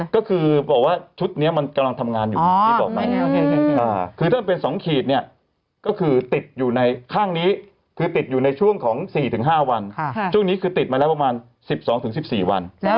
ก็คือบอกว่าชุดนี้มันกำลังทำงานอยู่อย่างที่บอกไปคือถ้ามันเป็น๒ขีดเนี่ยก็คือติดอยู่ในข้างนี้คือติดอยู่ในช่วงของ๔๕วันช่วงนี้คือติดมาแล้วประมาณ๑๒๑๔วัน